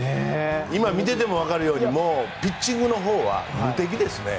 今、見てても分かるようにピッチングのほうは無敵ですね。